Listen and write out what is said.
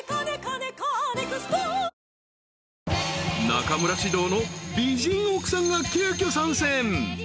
［中村獅童の美人奥さんが急きょ参戦］